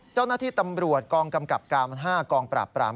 เจ้าหน้าที่ตำรวจกองกำกับการ๕กองปราบปราม